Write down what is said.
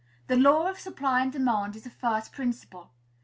The law of supply and demand is a first principle.